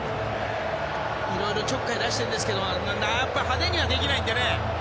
いろいろちょっかい出してるんですけど派手にはできないんでね。